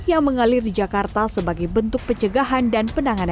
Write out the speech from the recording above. yang mengalir di jakarta sebagai bentuk pencegahan dan penanganan